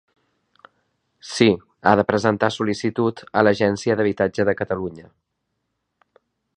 Sí, ha de presentar sol·licitud a l'Agència d'Habitatge de Catalunya.